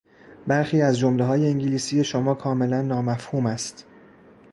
برخی از جملههای انگلیسی شما کاملا نامفهوم است.